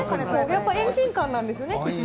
やっぱり遠近感なんですよね。